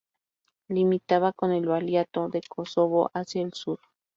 Limitaba con el Valiato de Kosovo hacia el sur.